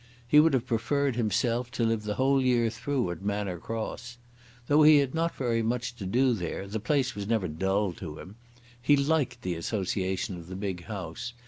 He would have preferred himself to live the whole year through at Manor Cross. Though he had not very much to do there the place was never dull to him. He liked the association of the big house.